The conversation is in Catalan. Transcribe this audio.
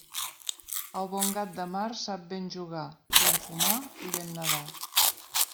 El bon gat de mar sap ben jugar, ben fumar i ben nedar.